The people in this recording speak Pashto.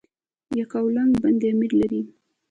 یکاولنګ بند امیر لري؟